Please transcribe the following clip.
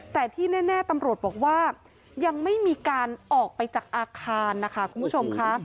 แต่ที่แน่ตำรวจบอกว่ายังไม่มีการออกไปจากอาคารนะคะคุณผู้ชมค่ะ